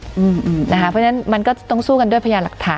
เพราะฉะนั้นมันก็ต้องสู้กันด้วยพยานหลักฐาน